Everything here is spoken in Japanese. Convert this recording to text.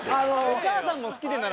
「お母さんも好きで」なら。